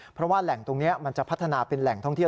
เพราะว่าแหล่งตรงนี้มันจะพัฒนาเป็นแหล่งท่องเที่ยว